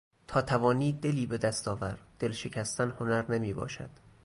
تا توانی دلی به دست آوردل شکستن هنر نمیباشد